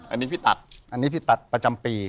อันนี้พี่ตัดอันนี้พี่ตัดประจำปี